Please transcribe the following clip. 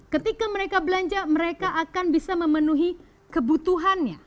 ketika mereka belanja mereka akan bisa memenuhi kebutuhannya